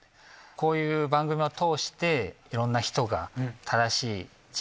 こういう番組を通していろんな人が。